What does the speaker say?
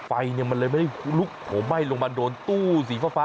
ไฟมันเลยไม่ได้ลุกโหมไหม้ลงมาโดนตู้สีฟ้า